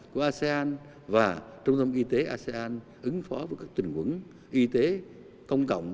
của asean và trung tâm y tế asean ứng phó với các tình huống y tế công cộng